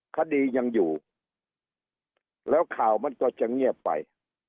คดียังอยู่แล้วข่าวมันก็จะเงียบไป